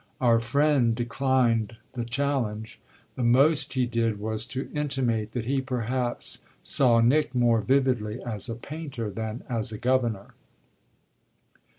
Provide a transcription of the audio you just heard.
Our friend declined the challenge: the most he did was to intimate that he perhaps saw Nick more vividly as a painter than as a governor.